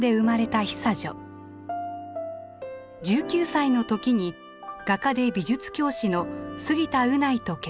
１９歳の時に画家で美術教師の杉田宇内と結婚。